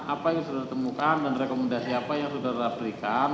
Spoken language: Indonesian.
apa yang sudah lah temukan dan rekomendasi apa yang sudah lah berikan